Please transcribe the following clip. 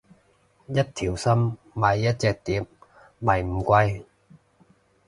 一條心買一隻碟咪唔貴